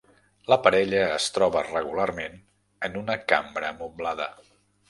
La parella es troba regularment en una cambra moblada.